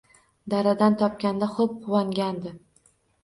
Daradan topganda xo’b quvongandi.